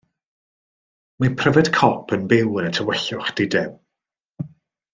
Mae pryfed cop yn byw yn y tywyllwch dudew.